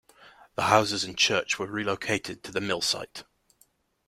The houses and church were relocated to the mill site.